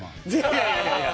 いやいやいやいや！